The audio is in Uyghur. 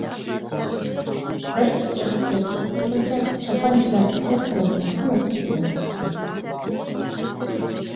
بىر-ئىككى ئېغىز گەپ قىلىپ بولغۇچە چاپانچىلار تەرەپ-تەرەپتىن تالاپ كېتىدۇ.